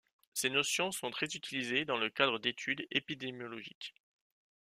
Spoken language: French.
Ces notions sont très utilisées dans le cadre d'études épidémiologiques.